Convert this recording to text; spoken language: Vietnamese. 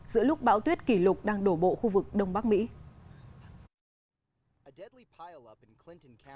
giữa lúc bão tuyết kỷ lục đang đổ bộ khu vực đông bắc mỹ